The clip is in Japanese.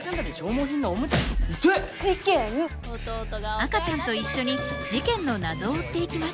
赤ちゃんと一緒に事件の謎を追っていきます。